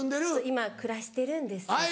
今暮らしてるんですけど。